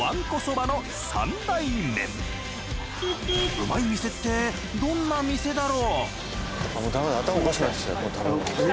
うまい店ってどんな店だろ？